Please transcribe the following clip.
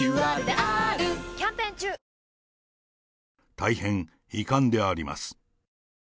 大変遺憾であります。